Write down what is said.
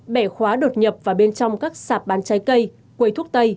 bẻ khóa đột nhập vào bên trong các sạp bán trái cây quầy thuốc tây